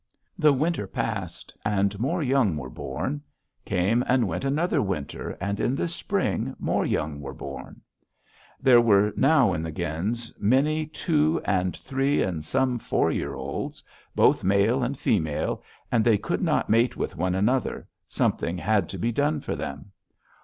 "The winter passed, and more young were born. Came and went another winter, and in the spring more young were born. There were now in the gens many two, and three, and some four year olds, both male and female, and they could not mate with one another; something had to be done for them.